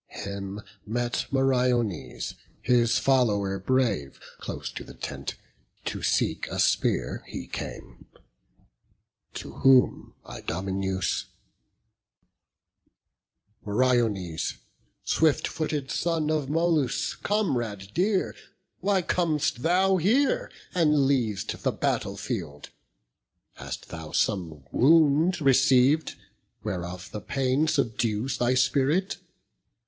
Him met Meriones, his follower brave, Close to the tent; to seek a spear he came; To whom Idomeneus: "Meriones, Swift footed son of Molus, comrade dear, Why com'st thou here, and leav'st the battle field? Hast thou some wound receiv'd, whereof the pain Subdues thy spirit?